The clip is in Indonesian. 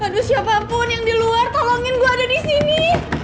aduh siapapun yang di luar tolongin gue ada disini